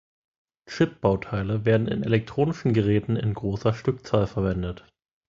Chip-Bauteile werden in elektronischen Geräten in großer Stückzahl verwendet.